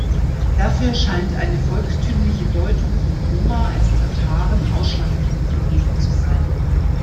Dafür scheint eine volkstümliche Deutung von Roma als Tataren ausschlaggebend gewesen zu sein.